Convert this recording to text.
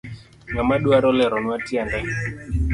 Ngama dwaro leronwa tiende.